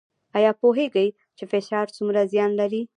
ایا پوهیږئ چې فشار څومره زیان لري؟